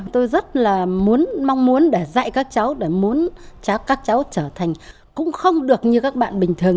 tôi rất là mong muốn để dạy các cháu để muốn các cháu trở thành cũng không được như các bạn bình thường